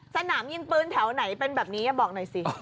สนามยิงปืนแถวไหนเป็นแบบนี้บอกหน่อยสิ